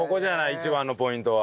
一番のポイントは。